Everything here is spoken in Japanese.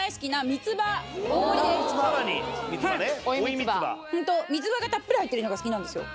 三つ葉がたっぷり入ってるのが好きなんですよ。